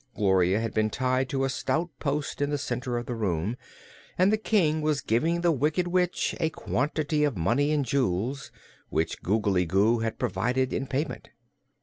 Gloria had been tied to a stout post in the center of the room and the King was giving the Wicked Witch a quantity of money and jewels, which Googly Goo had provided in payment.